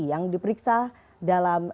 yang diperiksa dalam